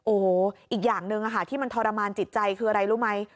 โอ้โหอีกอย่างหนึ่งที่มันทรมานจิตใจคืออะไรรู้ไหม